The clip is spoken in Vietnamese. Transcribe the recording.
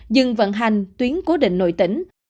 dừng vận hành tuyến cố định nội tỉnh